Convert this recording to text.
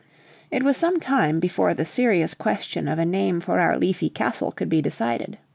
It was some time before the serious question of a name for our leafy castle could be decided.